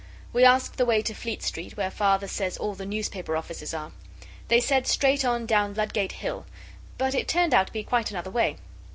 We asked the way to Fleet Street, where Father says all the newspaper offices are. They said straight on down Ludgate Hill but it turned out to be quite another way.